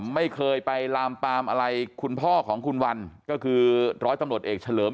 ไม่เคยไปลามปามอะไรคุณพ่อของคุณวันก็คือร้อยตำรวจเอกเฉลิม